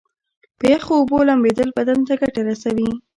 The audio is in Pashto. په یخو اوبو لمبیدل بدن ته ګټه رسوي.